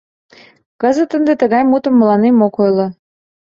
Кызыт ынде тыгай мутым мыланем ок ойло.